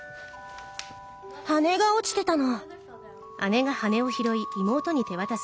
羽根が落ちてたの。